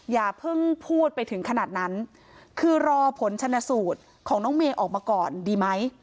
อย่าเพิ่งพูดไปถึงขนาดนั้นคือรอผลชนสูตรของน้องเมย์ออกมาก่อนดีไหม